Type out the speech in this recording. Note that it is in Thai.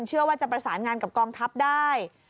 เชื่อว่าจะประสานงานกับกองทัพได้